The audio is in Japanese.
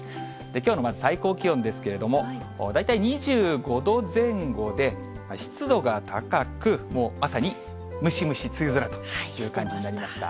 きょうのまず、最高気温ですけれども、大体２５度前後で、湿度が高く、まさにムシムシ梅雨空という感じになりました。